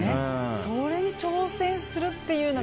それに挑戦するという。